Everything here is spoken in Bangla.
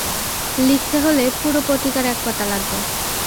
লিখতে হলে পুরো পত্রিকার এক পাতা লাগবে।